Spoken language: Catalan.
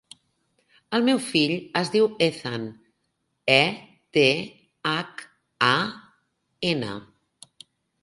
El meu fill es diu Ethan: e, te, hac, a, ena.